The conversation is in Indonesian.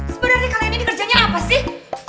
sebenarnya kalian ini kerjanya apa sih